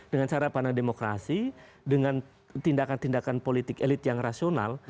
dengan cara pandang demokrasi dengan tindakan tindakan politik elit yang rasional